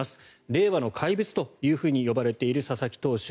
令和の怪物というふうに呼ばれている佐々木投手。